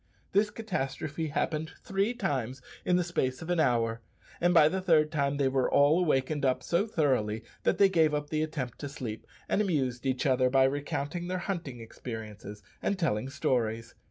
This catastrophe happened three times in the space of an hour, and by the third time they were all awakened up so thoroughly that they gave up the attempt to sleep, and amused each other by recounting their hunting experiences and telling stories.